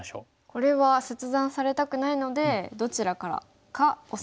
これは切断されたくないのでどちらからかオサえますか。